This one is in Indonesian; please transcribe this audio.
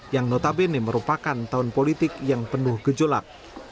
yang notabene merupakan tahun politik yang penuh gejolak